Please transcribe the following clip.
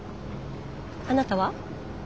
あなたは？